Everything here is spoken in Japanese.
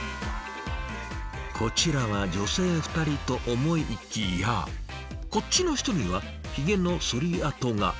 こちらは女性２人と思いきやこっちの人にはひげのそり跡が。